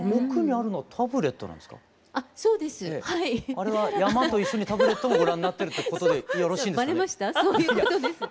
あれは山と一緒にタブレットもご覧になってるってことでよろしいんですかね。